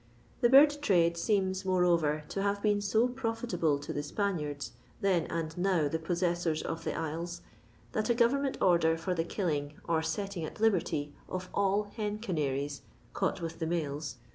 This bird trade seeros, more over, to have been so profitable to the Spaniards, then and now the posse; isors of the isles, that a government order for the killing or setting at liberty of all hen canaries, caught with the males.